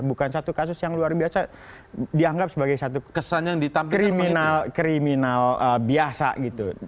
bukan satu kasus yang luar biasa dianggap sebagai satu kesan yang kriminal biasa gitu